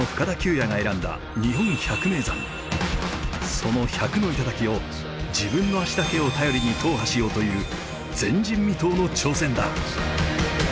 その１００の頂を自分の足だけを頼りに踏破しようという前人未到の挑戦だ。